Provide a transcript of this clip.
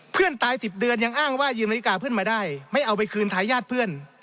เพื่อนตาย๑๐เดือนยังอ้างว่ายืมนาฬิกาเพื่อนมาได้ไม่เอาไปคืนทายาทเพื่อน